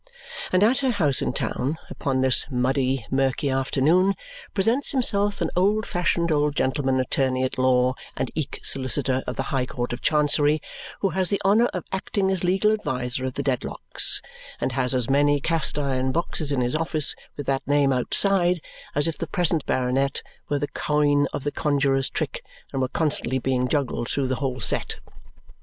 And at her house in town, upon this muddy, murky afternoon, presents himself an old fashioned old gentleman, attorney at law and eke solicitor of the High Court of Chancery, who has the honour of acting as legal adviser of the Dedlocks and has as many cast iron boxes in his office with that name outside as if the present baronet were the coin of the conjuror's trick and were constantly being juggled through the whole set.